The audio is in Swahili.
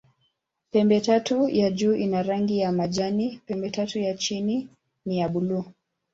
Pembetatu ya juu ina rangi ya majani, pembetatu ya chini ni ya buluu.